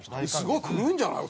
すごい来るんじゃない？